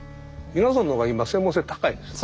皆さんの方が今は専門性高いです。